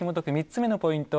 ３つ目のポイント